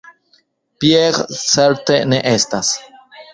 Pierre certe ne estas.